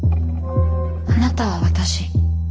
あなたは私。